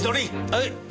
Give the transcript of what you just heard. はい！